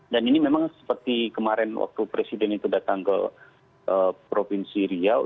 dan ini memang seperti kemarin waktu presiden itu datang ke provinsi riau